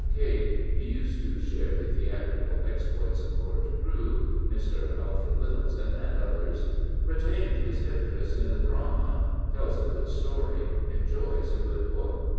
Cade, he used to sWe the theatrical ex ploits of Lord Crewe, Mr. Alfred Lyttelton, and others — ^retained his interest in the drama, tells a good story, enjoys a good book.